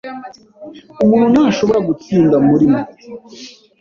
umuntu ntashobora gutsinda murimwe.